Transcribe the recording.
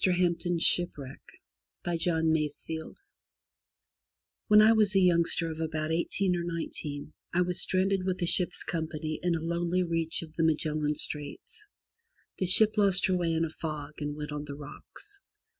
HAMPDEN'S SHIPWRECK* John Masefield Tl 7HEN I was a youngster of about eighteen or nineteen I ^^ was stranded with a ship's company in a lonely reach of the Magellan Straits. The ship lost her way in a fog, and went on the rocks.